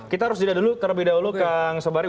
kita harus jelaskan terlebih dahulu kang sobari